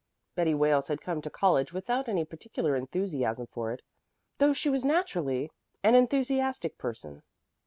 Betty Wales had come to college without any particular enthusiasm for it, though she was naturally an enthusiastic person.